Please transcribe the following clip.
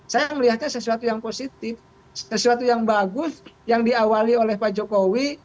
saya melihatnya sesuatu yang positif sesuatu yang bagus yang diawali oleh pak jokowi